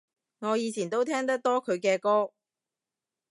我以前都聽得多佢嘅歌